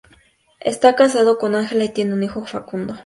Esta casado con Angela y tiene un hijo Facundo.